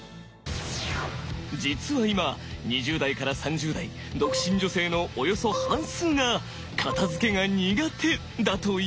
実は今「２０代から３０代独身女性のおよそ半数が片づけが苦手」だというのだ！